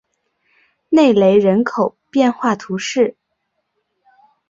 内雷人口变化图示